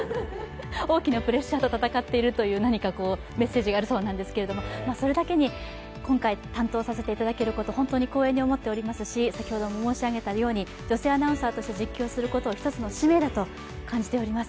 大きなプレッシャーと戦っているというメッセージがあるそうなんですけどそれだけに今回、担当させていただけること、本当に光栄に思っておりますし、女性アナウンサーとして実況することを一つの使命だと感じています。